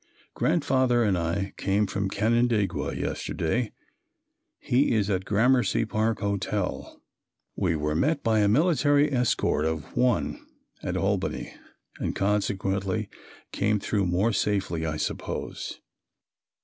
Grandfather and I came from Canandaigua yesterday. He is at Gramercy Park Hotel. We were met by a military escort of "one" at Albany and consequently came through more safely, I suppose.